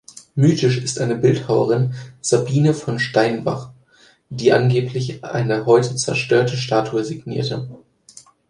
Mythisch ist eine Bildhauerin "Sabina von Steinbach", die angeblich eine heute zerstörte Statue signierte.